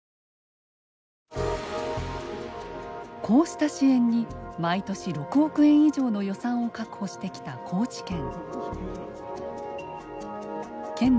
こうした支援に毎年６億円以上の予算を確保してきた高知県。